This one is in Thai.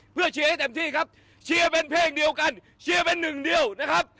เพื่อเชียร์ให้เต็มที่ครับเชียร์เป็นเพลงเดียวกันเชียร์เป็นหนึ่งเดียวนะครับ